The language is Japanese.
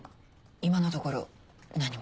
今のところ何も。